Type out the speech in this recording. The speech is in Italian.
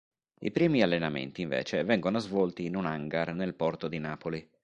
I primi allenamenti, invece, vengono svolti in un hangar nel porto di Napoli.